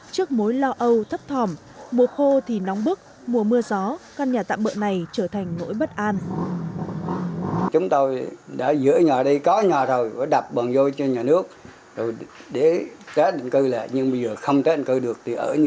trước mối lo âu thấp thỏm mùa khô thì nóng bức mùa mưa gió căn nhà tạm bợ này trở thành nỗi bất an